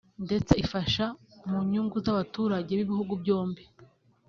ndetse ifasha mu nyungu z’abaturage b’ibihugu byombi